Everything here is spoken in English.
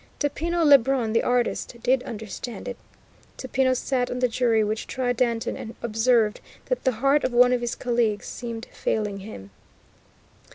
Topino Lebrun, the artist, did understand it. Topino sat on the jury which tried Danton, and observed that the heart of one of his colleagues seemed failing him.